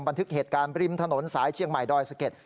บันทึกเหตุการณ์ริมถนนสายเชียงใหม่ดอยสะเก็ด